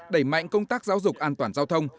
đẩy mạnh công tác giáo dục an toàn giao thông